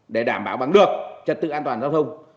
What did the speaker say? để đảm bảo bằng được trật tự an toàn giao thông